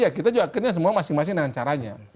ya kita juga akhirnya semua masing masing dengan caranya